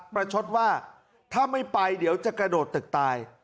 ประชดว่าถ้าไม่ไปเดี๋ยวจะกระโดดตึกตาย